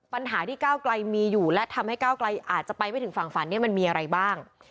ปัญหาที่ก้าวไกลมีอยู่และทำให้ก้าวไกลอาจจะไปไม่ถึงฝั่งฝันเนี่ยมันมีอะไรบ้าง